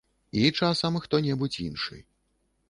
І, часам, хто-небудзь іншы.